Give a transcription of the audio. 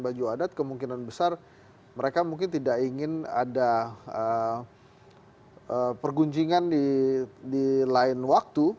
baju adat kemungkinan besar mereka mungkin tidak ingin ada perguncingan di lain waktu